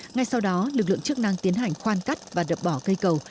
ngay sau đó lực lượng chức năng tiến hành khoan cắt và đập bỏ cây cầu